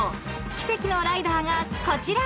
［「奇跡のライダー」がこちら］